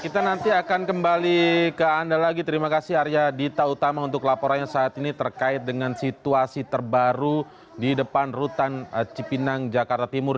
kita nanti akan kembali ke anda lagi terima kasih arya dita utama untuk laporannya saat ini terkait dengan situasi terbaru di depan rutan cipinang jakarta timur